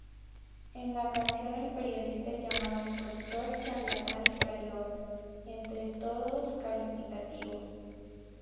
En la canción el periodista es llamado impostor, charlatán y traidor, entre otros calificativos.